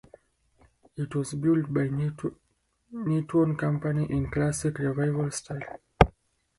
It was built by the Newton Company in Classical Revival style.